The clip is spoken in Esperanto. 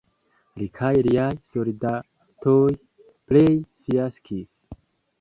Li kaj liaj soldatoj plene fiaskis.